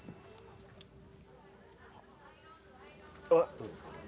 どうですか？